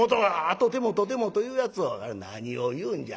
とてもとても』というやつを『何を言うんじゃ。